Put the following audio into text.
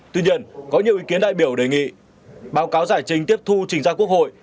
tuy nhiên có nhiều ý kiến đại biểu đề nghị báo cáo giải trình tiếp thu trình ra quốc hội